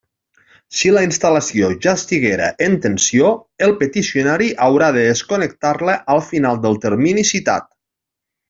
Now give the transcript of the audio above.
Si la instal·lació ja estiguera en tensió, el peticionari haurà de desconnectar-la al final del termini citat.